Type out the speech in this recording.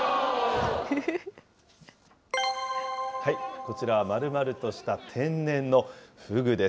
こちらはまるまるとした天然のフグです。